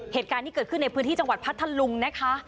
เหตุการณ์ที่เกิดขึ้นในพื้นที่จังหวัดพัทธลุงนะคะ